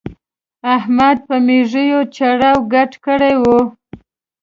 احمد په مېږو چړاو ګډ کړی وو.